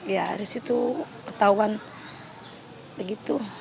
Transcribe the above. ya dari situ ketahuan begitu